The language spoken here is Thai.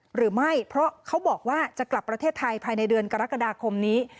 หรือไม่เพราะเขาบอกว่าจะกลับประเทศไทยภายในเดือนกรกฎาคมนี้